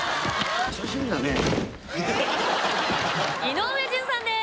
・井上順さんです